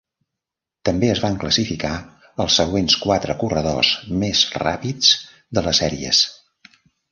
També es van classificar els següents quatre corredors més ràpids de les sèries.